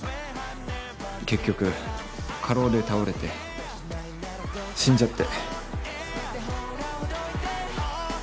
結局過労で倒れて死んじゃって。